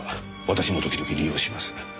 私も時々利用します。